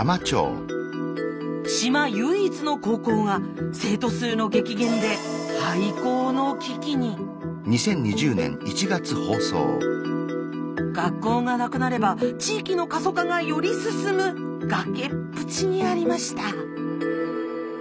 島唯一の高校が生徒数の激減で学校がなくなれば地域の過疎化がより進む崖っぷちにありました。